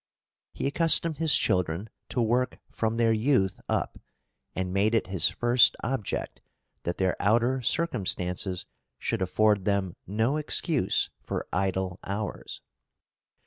He accustomed his children to work from their youth up, and made it his first object that their outer circumstances should afford them no excuse for idle hours.